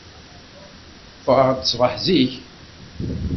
Ffɣeɣ-d ṣṣbeḥ zik.